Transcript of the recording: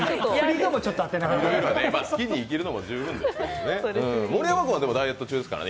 好きに生きるのも重要ですけどね。